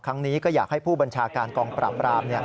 ครั้งนี้ก็อยากให้ผู้บัญชาการกองปราบราม